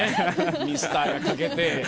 ミスターがかけて。